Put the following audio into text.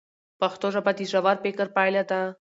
پښتو ژبه د ژور فکر پایله ده.